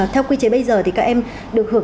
theo quy chế bây giờ thì các em được hưởng